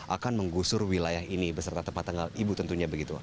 akan menggusur wilayah ini beserta tempat tinggal ibu tentunya begitu